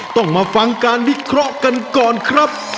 ต้องมาฟังการวิเคราะห์กันก่อนครับ